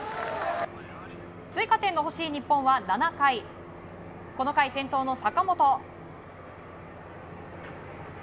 追加点の欲しい日本は７回この回、先頭の坂本。